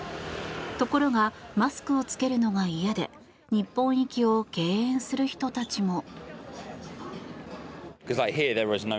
ところがマスクを着けるのが嫌で日本行きを敬遠する人たちも。